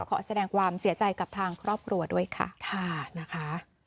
ขอแสดงความเสียใจกับทางครอบครัวด้วยค่ะนะคะ